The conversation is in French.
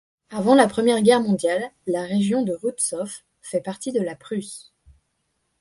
Avant la Première Guerre mondiale, la région de Ruitzhof fait partie de la Prusse.